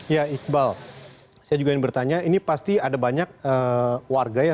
ya iqbal saya juga ingin bertanya ini pasti ada banyak warga ya